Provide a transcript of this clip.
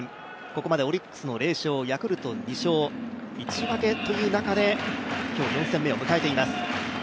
ここまでオリックスの０勝、ヤクルトの２勝、１分けという中で今日、４戦目を迎えています。